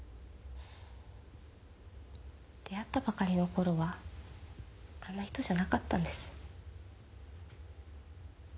出会ったばかりのころはあんな人じゃなかったんです。